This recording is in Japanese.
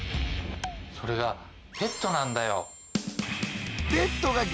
それがペットなんだよ。